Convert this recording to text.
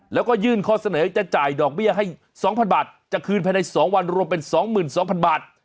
แล้วก็ยื่นข้อเสนอจะจ่ายดอกเบี้ยให้๒๐๐บาทจะคืนภายใน๒วันรวมเป็น๒๒๐๐๐บาท